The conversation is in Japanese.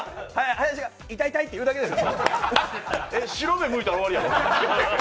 林が痛い、痛いって言うだけですよ。